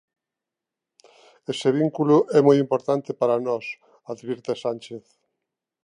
Ese vínculo é moi importante para nós advirte Sánchez.